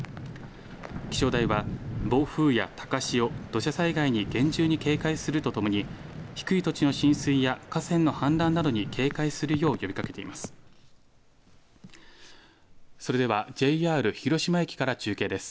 気象台は暴風や高潮、土砂災害に厳重に警戒するとともに、低い土地の浸水や河川の氾濫などに警戒するよう呼びかけています。